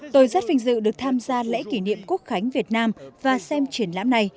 tôi rất vinh dự được tham gia lễ kỷ niệm quốc khánh việt nam và xem triển lãm này